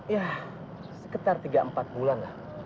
ya sekitar tiga empat bulan lah